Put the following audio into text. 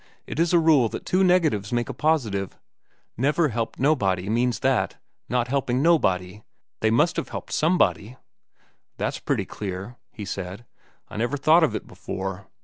It is a rule that two negatives make a positive. 'Never helped nobody' means that, not helping nobody, they must have helped somebody." "That's pretty clear," he said. "I never thought of it before.